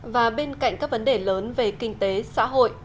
và bên cạnh các vấn đề lớn về kinh tế xã hội